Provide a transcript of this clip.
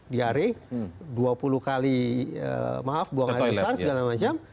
diare dua puluh kali maaf buang air besar segala macam